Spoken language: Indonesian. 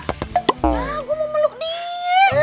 ah gue mau meluk dia